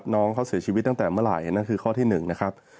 น้องเขาเสียชีวิตตั้งแต่เมื่อไหร่นั่นคือข้อที่๑นะครับ